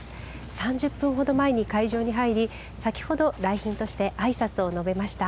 ３０分ほど前に会場に入り先ほど、来賓としてあいさつを述べました。